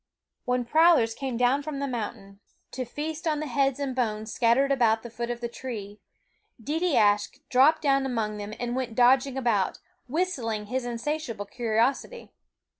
When prowlers came down from the mountain to gg feast on the heads and bones scattered about Ismaaues the foot of the tree ' Deedeeaskh dropped ffie Fishhawk down among them and went dodging about, whistling his insatiable curiosity.